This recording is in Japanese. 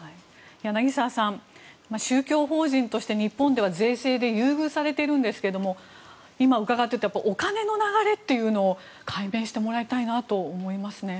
柳澤さん宗教法人として日本では税制で優遇されているんですが今、伺っているとお金の流れというのを解明してもらいたいなと思いますね。